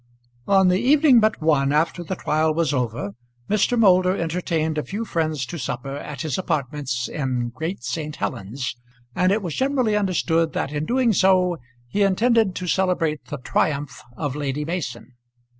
On the evening but one after the trial was over Mr. Moulder entertained a few friends to supper at his apartments in Great St. Helen's, and it was generally understood that in doing so he intended to celebrate the triumph of Lady Mason.